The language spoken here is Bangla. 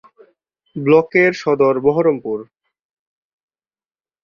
ব্লকের সদর বহরমপুর।